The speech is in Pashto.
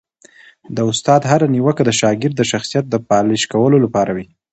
د استاد هره نیوکه د شاګرد د شخصیت د پالش کولو لپاره وي.